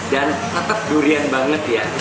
dan tetep durian banget ya